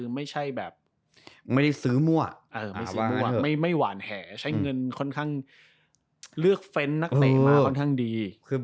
ไม่ได้ซื้อมั่วไม่หวานแหใช้เงินเลือกเฟรนส์นักเตะมาค่อนข้างดี